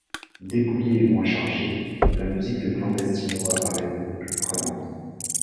Dépouillée et moins chargée, la musique de Clandestino apparaît beaucoup plus prenante.